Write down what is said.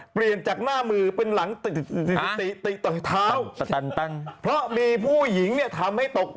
เปลี่ยนจากหน้ามือเป็นหลังติดตรงเท้าเพราะมีผู้หญิงเนี่ยทำให้ตกใจ